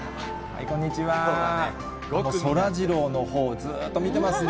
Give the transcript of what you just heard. そらジローのほうをずっと見てますね。